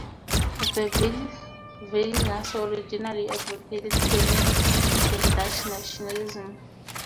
The Verdinaso originally advocated Flemish and Dutch nationalism.